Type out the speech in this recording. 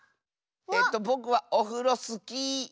えっとぼくはオフロスキー。